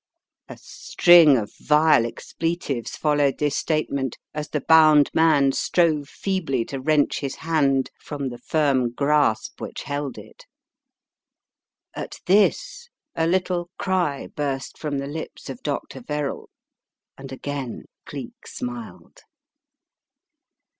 A string of vile expletives followed this statement as the bound man strove feebly to wrench his hand from the firm grasp which held it. At this, a little cry burst from the lips of Dr. Verrall, and again Cleek smiled.